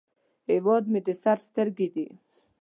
هیواد مې د سر سترګې دي